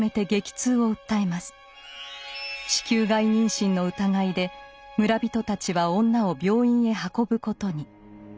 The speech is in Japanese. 子宮外妊娠の疑いで村人たちは女を病院へ運ぶことに。